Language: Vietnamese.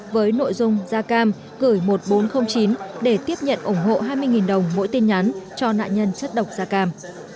với nội dung gia cam gửi một nghìn bốn trăm linh chín để tiếp nhận ủng hộ hai mươi đồng mỗi tin nhắn cho nạn nhân chất độc da cam